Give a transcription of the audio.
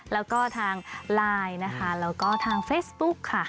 แล้วก็ทางไลน์นะคะแล้วก็ทางเฟซบุ๊กค่ะ